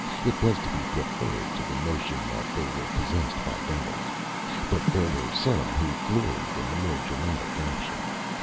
It was to be preferred to the notion that they were possessed by devils. But there were some who gloried in the more dramatic opinion.